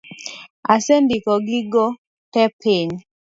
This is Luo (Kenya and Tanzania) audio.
Asendiko gigo tee piny